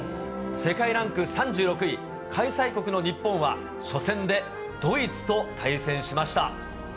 世界ランク３６位、開催国の日本は初戦でドイツと対戦しました。